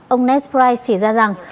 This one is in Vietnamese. ông nesprice chỉ ra rằng